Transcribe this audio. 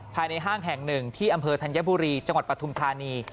ภายในห้างแห่งหนึ่งที่อำเภอธัญบุรีจังหวัดปฐุมธานี